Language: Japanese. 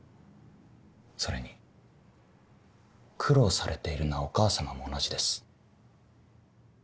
それに苦労されているのはお母様も同じです。